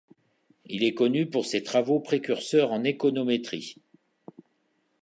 Il est connu pour ses travaux précurseurs en économétrie.